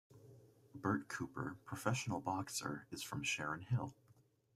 Bert Cooper, professional boxer, is from Sharon Hill.